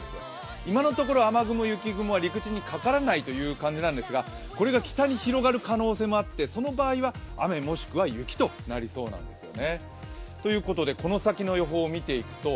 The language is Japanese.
今のところ雨雲・雪雲は陸地にかからないという感じなんですが、これが北に広がる可能性があってその場合は雨もしくは雪となりそうなんですよね。